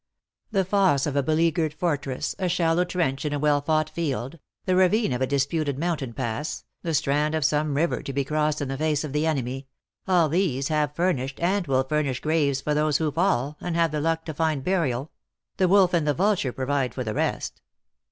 The fosse of a beleaguered fortress, a shallow trench in a well fought field, the ravine of a disputed rnoun THE ACTRESS IN HIGH LIFE. 181 tain pass, the strand of some river to be crossed in the face of the enemy all these have furnished, and will furnish graves for those who fall, and have the luck to find burial ; the wolf and the vulture provide for the rest.